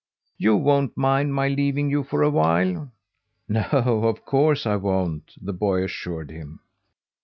You won't mind my leaving you for a while?" "No, of course, I won't," the boy assured him.